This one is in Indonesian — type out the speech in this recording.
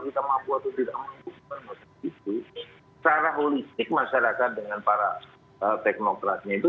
secara politik masyarakat dengan para teknokrasnya itu